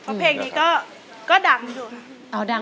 เพราะเพลงนี้ก็ดังดูครับ